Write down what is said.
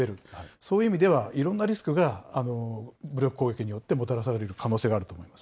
そういう意味では、いろんなリスクが、武力攻撃によってもたらされる可能性があるということです。